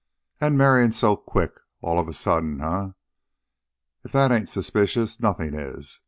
"An' marryin' so quick, all of a sudden, eh? If that ain't suspicious, nothin' is.